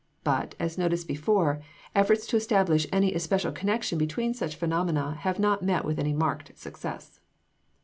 But, as noticed before, efforts to establish any especial connection between such phenomena have not met with any marked success.